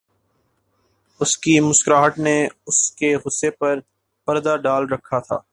اُس کی مسکراہٹ نے اُس کے غصےپر پردہ ڈال رکھا تھا